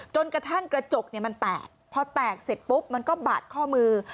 จนกระทั่งกระจกเนี่ยมันแตกพอแตกเสร็จปุ๊บมันก็บาดข้อมือ